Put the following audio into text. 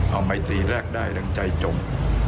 เอาไมตรีแรกได้ดังใจจม